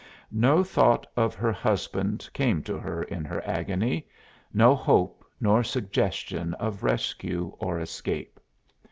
No thought of her husband came to her in her agony no hope nor suggestion of rescue or escape.